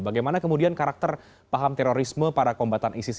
bagaimana kemudian karakter paham terorisme pada kombatan eksisis